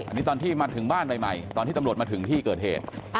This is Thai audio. อันนี้ตอนที่มาถึงบ้านใหม่ตอนที่ตำรวจมาถึงที่เกิดเหตุ